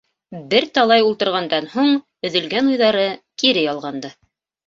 Бер талай ултырғандан һуң, өҙөлгән уйҙары кире ялғанды.